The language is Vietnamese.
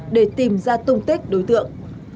để tìm ra tung tích đối tượng